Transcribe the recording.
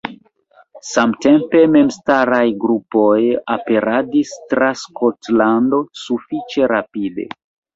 Samtempe memstaraj grupoj aperadis tra Skotlando sufiĉe rapide.